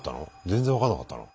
全然分かんなかったな。